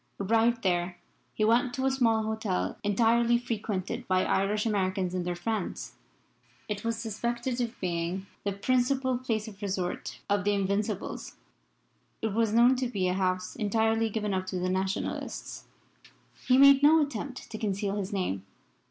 Arrived there, he went to a small hotel entirely frequented by Irish Americans and their friends. It was suspected of being the principal place of resort of the Invincibles. It was known to be a house entirely given up to the Nationalists. He made no attempt to conceal his name.